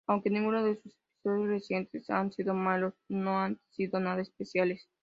Aunque ninguno de los episodios recientes han sido malos, no han sido nada especiales.